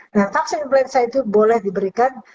dan vaksin influenza itu boleh diberikan